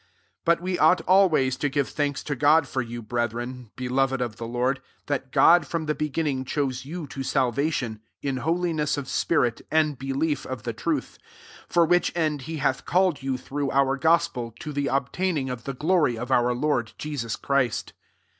13 But we ought always to give thanks to God for you, brethreaf beloved of the Lord, that God from the beginning chose you to salvation, in holi ness of spirit, and belief of the truth : 14 for which end^ he hath called you through our gospel, to the obtaining of the glory of our Lord Jesus Christ.